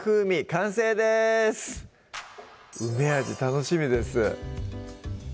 完成です梅味楽しみです